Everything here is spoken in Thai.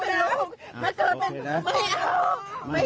ไม่เอา